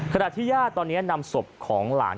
ขณะที่ญาติตอนนี้นำศพของหลาน